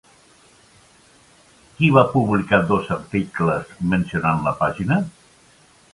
Qui va publicar dos articles mencionant la pàgina?